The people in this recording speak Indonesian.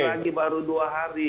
lagi baru dua hari